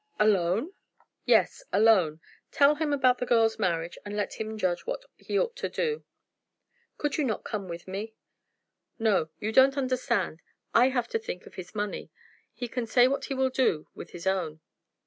"Alone?" "Yes, alone. Tell him about the girl's marriage, and let him judge what he ought to do." "Could not you come with me?" "No. You don't understand. I have to think of his money. He can say what he will do with his own."